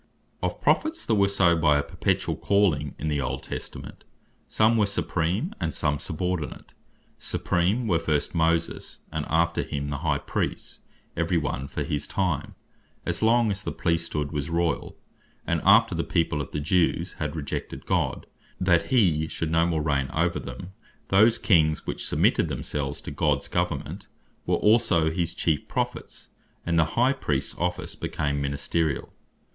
Of Prophets, that were so by a perpetuall Calling in the Old Testament, some were Supreme, and some Subordinate: Supreme were first Moses; and after him the High Priest, every one for his time, as long as the Priesthood was Royall; and after the people of the Jews, had rejected God, that he should no more reign over them, those Kings which submitted themselves to Gods government, were also his chief Prophets; and the High Priests office became Ministeriall.